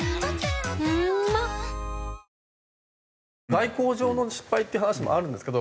外交上の失敗っていう話もあるんですけど